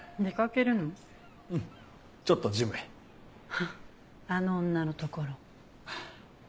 フッあの女のところ？